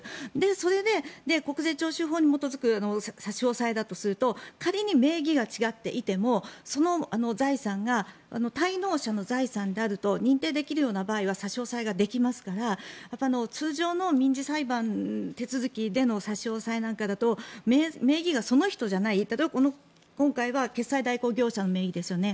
それで国税徴収法に基づく差し押さえだとすると仮に名義が違っていてもその財産が滞納者の財産であると認定できるような場合は差し押さえができますから通常の民事裁判の手続きでの差し押さえなんかだと名義がその人じゃない今回は決済代行業者の名義ですよね